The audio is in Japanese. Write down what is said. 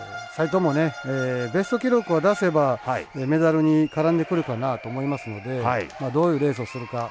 齋藤もベスト記録を出せばメダルに絡んでくるかなと思いますのでどういうレースをするか。